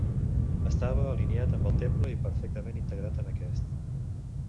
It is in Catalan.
Estava alineat amb el temple i perfectament integrat en aquest.